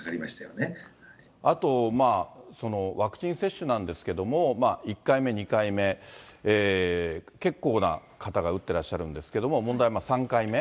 あとワクチン接種なんですけれども、１回目、２回目、結構な方が打ってらっしゃるんですけれども、問題は３回目。